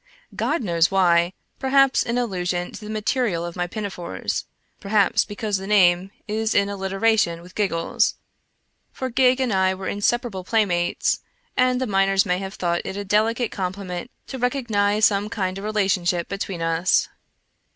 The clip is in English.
God knows why ; perhaps in allusion to the material of my pinafores ; perhaps because the name is in alliteration with " Giggles," for Gig and I were inseparable playmates, and the miners may have thought it a deli cate compliment to recognize some kind of relationship between us.